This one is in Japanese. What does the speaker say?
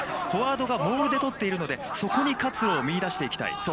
フォワードがモールで取っているので、そこに活路を見出していきたい